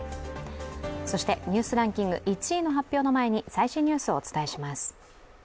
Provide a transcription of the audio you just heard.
そしてニュースランキング１位の発表の前に最新ニュースをお伝えします。